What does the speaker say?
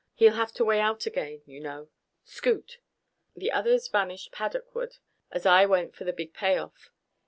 He'll have to weigh out again, you know. Scoot!" The others vanished paddockward as I went for the big payoff.